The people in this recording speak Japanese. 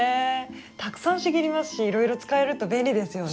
たくさん茂りますしいろいろ使えると便利ですよね。